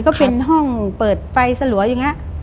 ก็เป็นห้องเปิดไฟสลัวอย่างนี้